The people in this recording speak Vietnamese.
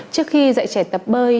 trước khi dạy trẻ tập bơi